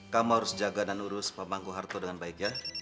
kamu harus jaga dan urus kang mas mangguwarto dengan baik ya